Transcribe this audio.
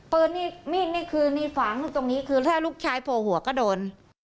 มีดนี่คือนี่ฝังตรงนี้คือถ้าลูกชายโผล่หัวก็โดน